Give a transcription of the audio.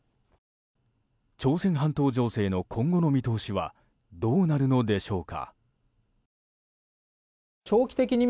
朝鮮半島情勢の今後の見通しはどうなるのでしょうか。